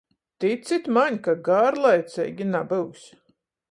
Ticit maņ, ka garlaiceigi nabyus!